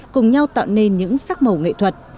cùng nhau tạo nên những sắc màu nghệ thuật